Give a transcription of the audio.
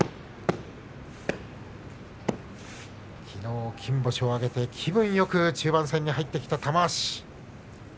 きのう金星を挙げて、気分よく中盤戦に入ってきた玉鷲。